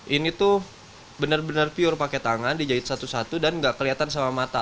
ini tuh bener bener pure pakai tangan dijahit satu satu dan nggak kelihatan sama mata